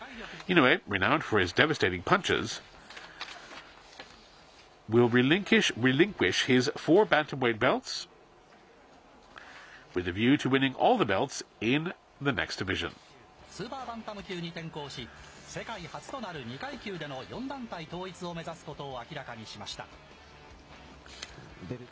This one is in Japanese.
ベルトをすべて返上して、１つ上の階級、スーパーバンタム級に転向し、世界初となる２階級での４団体統一を目指すことを明らかにしました。